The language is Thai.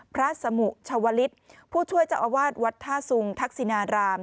พระสมุชวลิศผู้ช่วยเจ้าอาวาสวัดท่าสุงทักษินาราม